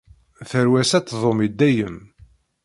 Tarwa-s ad tdum i dayem.